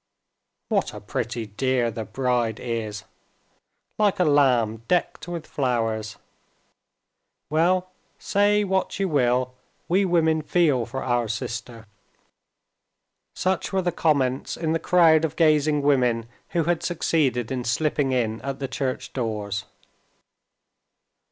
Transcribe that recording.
"What a pretty dear the bride is—like a lamb decked with flowers! Well, say what you will, we women feel for our sister." Such were the comments in the crowd of gazing women who had succeeded in slipping in at the church doors.